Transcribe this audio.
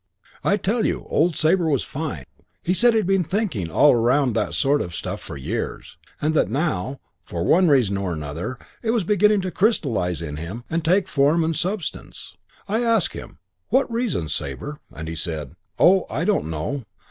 I tell you, old Sabre was fine. He said he'd been thinking all round that sort of stuff for years, and that now, for one reason and another, it was beginning to crystallize in him and take form and substance. "I asked him, 'What reasons, Sabre?' and he said, 'Oh, I don't know.